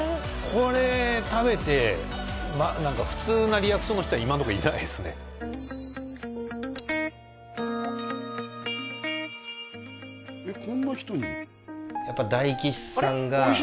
これ食べて普通なリアクションの人は今のところいないですねえっ？